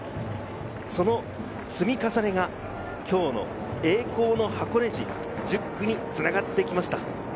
その積み重ねが今日の栄光の箱根路、１０区に繋がってきました。